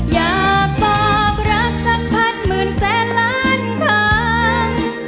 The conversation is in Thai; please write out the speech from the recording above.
อยากบอกรักสักพันหมื่นแสนล้านครั้ง